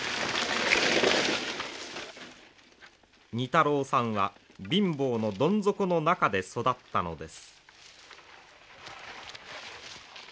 仁太郎さんは貧乏のどん底の中で育ったのです。